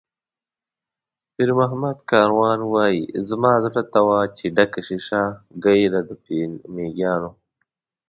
پیرمحمد کاروان وایي: "زما زړه ته وا چې ډکه شیشه ګۍ ده د مېږیانو".